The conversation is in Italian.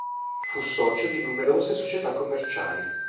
Fu socio di numerose società commerciali.